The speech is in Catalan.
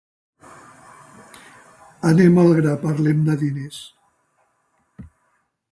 Anem al gra, parlem de diners.